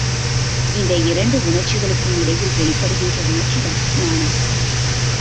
இந்த இரண்டு உணர்ச்சிகளுக்கும் இடையில் வெளிப்படுகின்ற உணர்ச்சிதான் நாணம்.